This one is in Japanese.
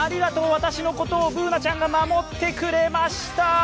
私のことをＢｏｏｎａちゃんが守ってくれました！